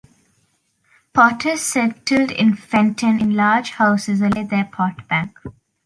Potters settled in Fenton in large houses alongside their pot-banks.